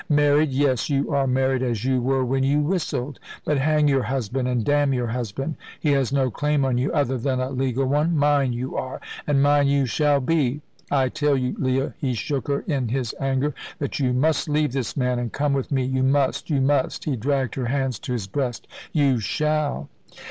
Married! Yes, you are married, as you were when you whistled. But hang your husband and damn your husband he has no claim on you, other than a legal one. Mine you are, and mine you shall be. I tell you, Leah" he shook her in his anger "that you must leave this man, and come with me. You must you must!" he dragged her hands to his breast "you shall!"